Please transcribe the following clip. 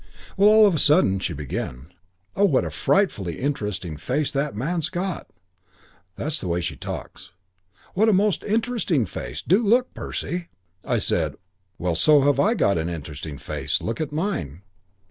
"Well, all of a sudden she began, 'Oh, what a frightfully _in_teresting face that man's got!' That's the way she talks. 'What a most _in_teresting face. Do look, Percy.' "I said, 'Well, so have I got an interesting face. Look at mine.'